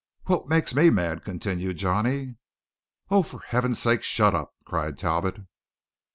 "What makes me mad " continued Johnny. "Oh, for heaven's sake shut up!" cried Talbot.